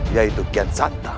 yaitu kian santang